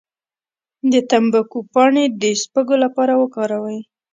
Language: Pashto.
د تمباکو پاڼې د سپږو لپاره وکاروئ